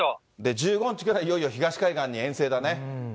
１５日からいよいよ東海岸に遠征だね。